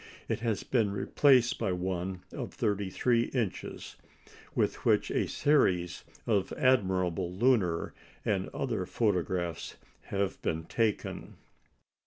It has been replaced by one of 33 inches, with which a series of admirable lunar and other photographs have been taken.